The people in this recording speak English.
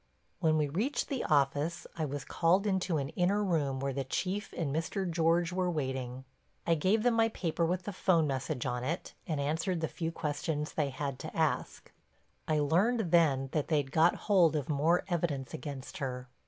When we reached the office I was called into an inner room where the Chief and Mr. George were waiting. I gave them my paper with the 'phone message on it, and answered the few questions they had to ask. I learned then that they'd got hold of more evidence against her.